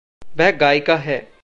वह गायिका है।